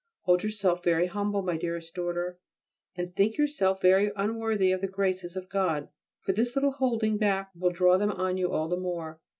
Hold yourself very humble, my dearest daughter, and think yourself very unworthy of the graces of God: for this little holding back will draw them on you all the more.